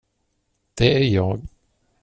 Det är jag.